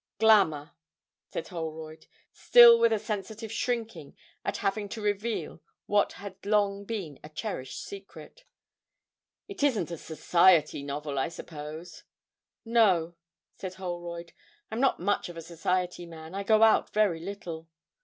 '"Glamour,"' said Holroyd, still with a sensitive shrinking at having to reveal what had long been a cherished secret. 'It isn't a society novel, I suppose?' 'No,' said Holroyd. 'I'm not much of a society man; I go out very little.'